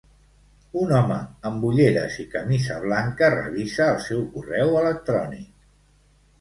Un home amb ulleres i camisa blanca revisa el seu correu electrònic.